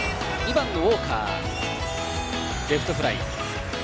２番のウォーカー、レフトフライ。